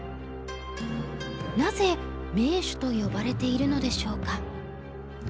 なぜ名手と呼ばれているのでしょうか？